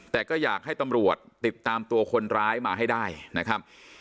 แต่ก็อยากให้ตำรวจติดตามตัวคนร้ายมาให้ได้นะครับ